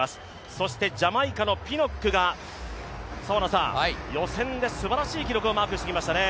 そしてジャマイカのピノックが予選ですばらしい記録をマークしてきましたね。